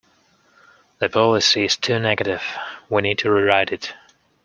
The policy is too negative; we need to rewrite it